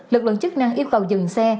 lực lượng chức năng yêu cầu dừng xe